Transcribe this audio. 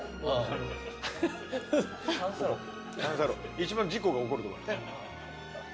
一番事故が起こるとこ。